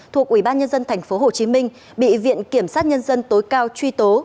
thuộc ubnd tp hcm bị viện kiểm sát nhân dân tối cao truy tố